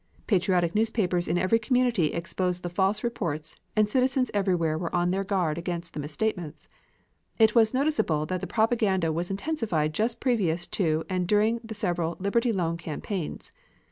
Patriotic newspapers in every community exposed the false reports and citizens everywhere were on their guard against the misstatements. It was noticeable that the propaganda was intensified just previous to and during the several Liberty Loan campaigns.